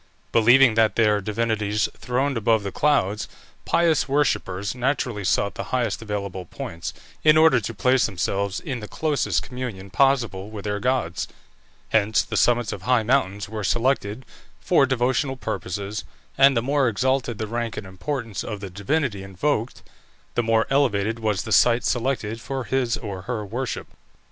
Believing that their divinities throned above the clouds, pious worshippers naturally sought the highest available points, in order to place themselves in the closest communion possible with their gods; hence the summits of high mountains were selected for devotional purposes, and the more exalted the rank and importance of the divinity invoked, the more elevated was the site selected for his or her worship.